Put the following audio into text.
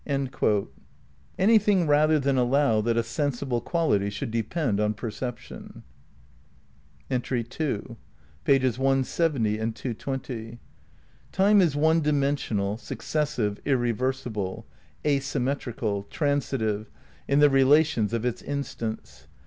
(The same: p. 70.) Anything rather than allow that a sensible quality should depend on perception. II Pages 170 and 220. Time is one dimensional, successive, irreversible (asym metrical), transitive, in the relations of its instants.